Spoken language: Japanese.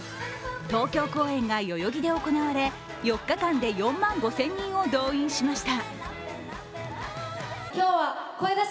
東京公演が代々木で行われ４日間で４万５０００人を動員しました。